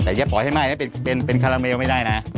แต่อย่าปล่อยให้ไหม้นะเป็นคาราเมลไม่ได้นะ